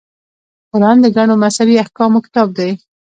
قران د ګڼو مذهبي احکامو کتاب دی.